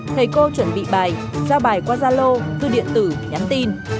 thầy cô chuẩn bị bài giao bài qua gia lô thư điện tử nhắn tin